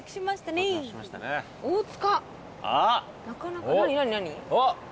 なかなか何何何？